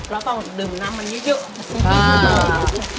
เราต้องดื่มน้ำมันเยอะ